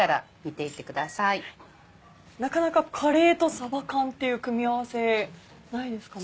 なかなかカレーとさば缶っていう組み合わせないですかね。